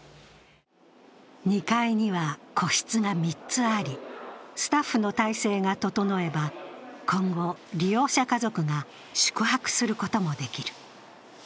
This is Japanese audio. ２階には、個室が３つありスタッフの体制が整えば今後、利用者家族が宿泊することもできる。